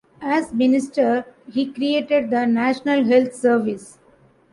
As Minister, he created the National Health Service.